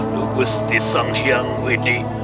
dugusti sang hyang widi